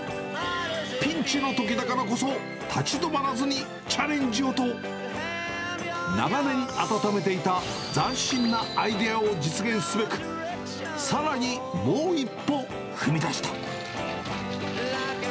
ピンチのときだからこそ、立ち止まらずにチャレンジをと、長年、温めていた斬新なアイデアを実現すべく、さらにもう一歩踏み出した。